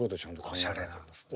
おしゃれなんですね。